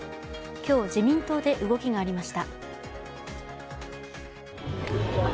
今日、自民党で動きがありました。